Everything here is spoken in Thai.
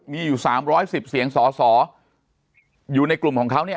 มีอยู่๓๑๐เสียงสอสออยู่ในกลุ่มของเขาเนี่ย